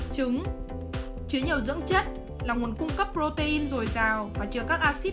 trứng chứa nhiều dưỡng chất là nguồn cung cấp protein dồi dào và chứa các acid